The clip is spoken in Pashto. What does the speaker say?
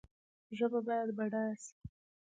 ژبه باید بډایه سي